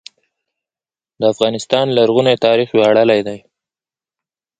د افغانستان لرغونی تاریخ ویاړلی دی